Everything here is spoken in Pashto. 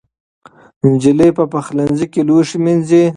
نجلۍ په پخلنځي کې لوښي مینځي.